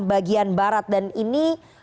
bagian barat dan ini